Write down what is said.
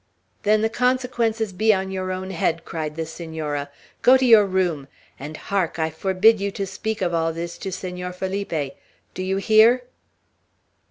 "Then the consequences be on your own head," cried the Senora. "Go to your room! And, hark! I forbid you to speak of all this to Senor Felipe. Do you hear?"